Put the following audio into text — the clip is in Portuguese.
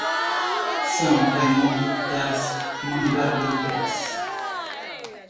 São Raimundo das Mangabeiras